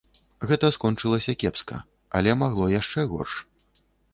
Гэта скончылася кепска, але магло яшчэ горш.